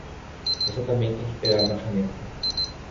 Você também tem que pegar uma caneta.